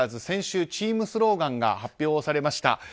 先週、チームスローガンが発表されました。